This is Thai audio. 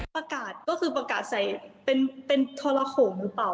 ประกาศก็คือประกาศใส่เป็นทรโขงหรือเปล่า